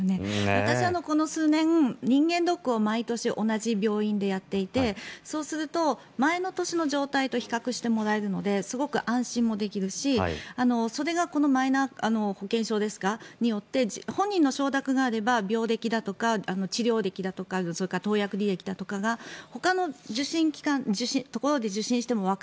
私はこの数年、人間ドックを毎年同じ病院でやっていてそうすると前の年の状態と比較してもらえるのですごく安心もできるしそれがこのマイナ保険証によって本人の承諾があれば病歴とか治療歴とか１０年以上前から無免許だったとみられています。